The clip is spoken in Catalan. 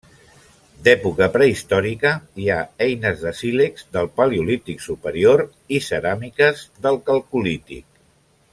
D'època prehistòrica, hi ha eines de sílex del paleolític superior i ceràmiques del calcolític.